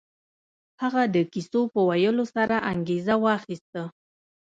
هغه د کيسو په ويلو سره انګېزه واخيسته.